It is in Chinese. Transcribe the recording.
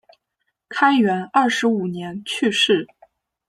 开元二十五年去世。